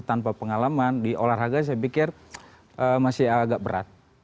tanpa pengalaman di olahraga saya pikir masih agak berat